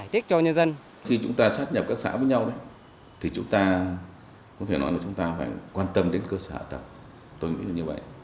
tôi nghĩ như vậy